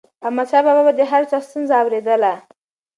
احمدشاه بابا به د هر چا ستونزه اوريدله.